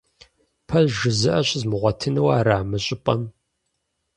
Пэж жызыӀэ щызмыгъуэтыну ара мы щӀыпӀэм?